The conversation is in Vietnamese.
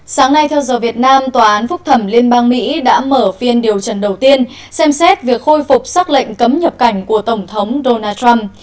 sáng nay theo giờ việt nam tòa án phúc thẩm liên bang mỹ đã mở phiên điều trần đầu tiên xem xét việc khôi phục xác lệnh cấm nhập cảnh của tổng thống donald trump